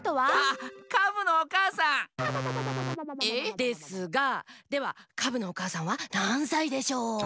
ですがではカブのおかあさんはなんさいでしょう？